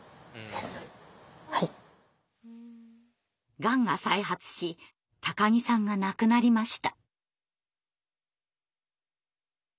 がんが再発し木さんが亡くなりました。